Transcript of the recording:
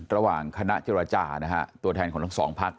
ระหว่างคณะเจรจานะฮะตัวแทนของทั้งสองพัก